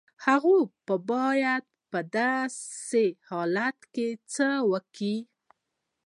هغه بايد په داسې حالت کې څه وکړي؟